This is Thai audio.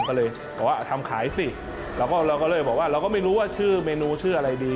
ก็เลยบอกว่าทำขายสิเราก็เลยบอกว่าเราก็ไม่รู้ว่าชื่อเมนูชื่ออะไรดี